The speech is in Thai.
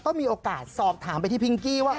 ก็มีโอกาสสอบถามไปที่พิงกี้ว่า